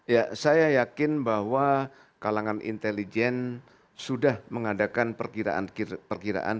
ya saya yakin bahwa kalangan intelijen sudah mengadakan perkiraan perkiraan